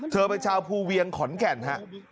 เธอเป็นชาวภูเวียงขอนแก่นฮะ